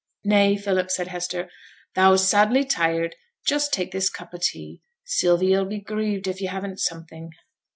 'Nay, Philip,' said Hester, 'thou's sadly tired; just take this cup o' tea; Sylvia 'll be grieved if yo' haven't something.'